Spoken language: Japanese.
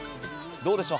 どうでしょう？